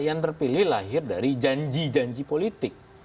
yang terpilih lahir dari janji janji politik